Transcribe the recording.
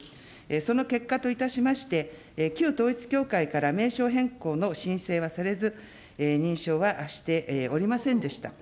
その結果といたしまして、旧統一教会から名称変更の申請はされず、認証はしておりませんでした。